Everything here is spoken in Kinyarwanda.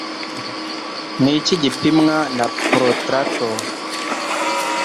Ni iki gipimwa na protrator?